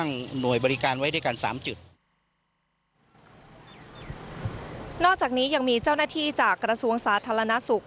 นอกจากนี้ยังมีเจ้าหน้าที่จากกระทรวงสาธารณสุข